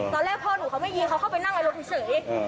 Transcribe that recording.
ตอนแรกพ่อหนูเขาไม่ยิงเขาเข้าไปนั่งในรถเฉย